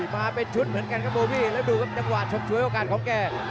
พาท่านผู้ชมกลับติดตามความมันกันต่อครับ